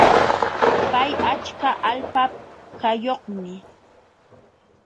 Pay achka alpakayuqmi.